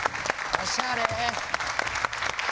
おしゃれ。